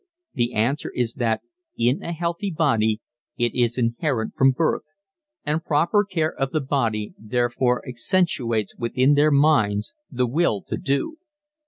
The answer is that in a healthy body it is inherent from birth, and proper care of the body therefore accentuates within their minds the will to do.